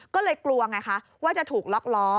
ก็เลยกลัวไงคะว่าจะถูกล็อกล้อ